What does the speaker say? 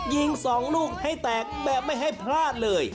ยิง๒ลูกให้แตกแบบไม่ให้พลาดเลย